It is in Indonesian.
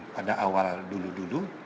pada awal dulu dulu